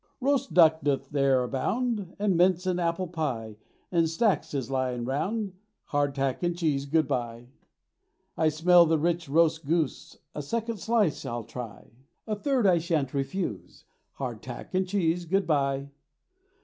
Roast duck doth there abound, And mince and apple pie In stacks is lyin' round; Hard tack and cheese, good bye! I smell the rich roast goose, A second slice I'll try; A third I shan't refuse; Hard tack and cheese, good bye!